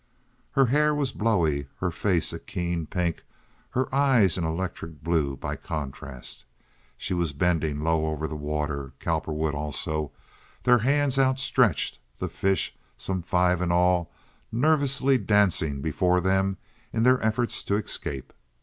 Her hair was blowy, her face a keen pink, her eyes an electric blue by contrast. She was bending low over the water—Cowperwood also—their hands outstretched, the fish, some five in all, nervously dancing before them in their efforts to escape.